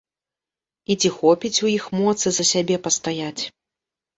І ці хопіць у іх моцы за сябе пастаяць?